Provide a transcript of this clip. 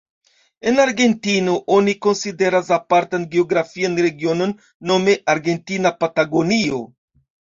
En Argentino oni konsideras apartan geografian regionon nome Argentina Patagonio.